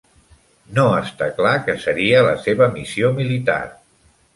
No està clar què seria la seva missió militar.